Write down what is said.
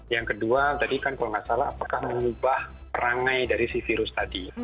yang kedua tadi kan kalau nggak salah apakah mengubah perangai dari si virus tadi